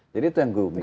jadi itu yang grooming